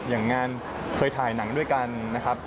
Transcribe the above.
อย่างงานเคยถ่ายหนังด้วยกันนะครับ